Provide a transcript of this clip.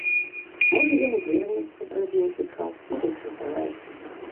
Можа ён вернецца праз нейкі час і дачытае.